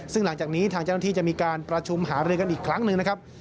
ซึ่งหลังจากนี้ทางเจ้าหน้าที่จะมีการประชุมหารือกันอีกครั้งหนึ่งนะครับ